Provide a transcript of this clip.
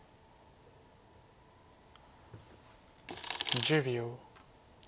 １０秒。